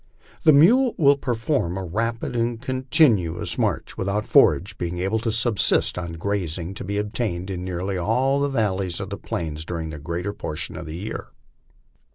The mule will perform a rapid and continuous march without forage, being able to subsist on the grazing to be obtained in nearly all the valleys on the plains during the greater portion of the year.